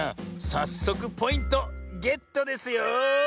さっそくポイントゲットですよ。